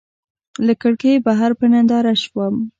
له کړکۍ بهر په ننداره شوم.